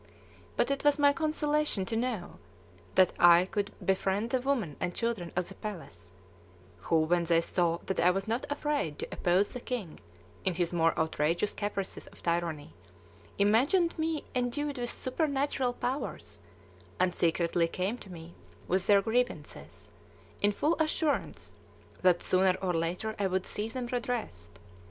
But it was my consolation to know that I could befriend the women and children of the palace, who, when they saw that I was not afraid to oppose the king in his more outrageous caprices of tyranny, imagined me endued with supernatural powers, and secretly came to me with their grievances, in full assurance that sooner or later I would see them redressed.